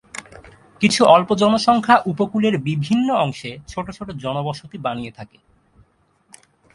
কিছু অল্প জনসংখ্যা উপকূলের বিভিন্ন অংশে ছোটো ছোটো জনবসতি বানিয়ে থাকে।